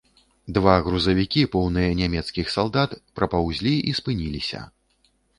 Два грузавікі, поўныя нямецкіх салдат, прапаўзлі і спыніліся.